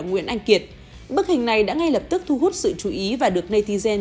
nguyễn anh kiệt bức hình này đã ngay lập tức thu hút sự chú ý và được natigen